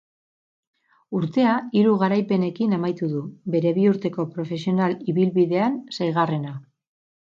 Urtea hiru garaipenekin amaitu du, bere bi urteko profesional ibilbidean seigarrena.